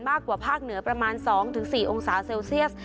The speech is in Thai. มากกว่าภาคเหนือประมาณ๒๔องศาเซลเซียส